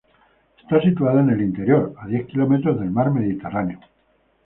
Está situada en el interior, a diez kilómetros del mar Mediterráneo.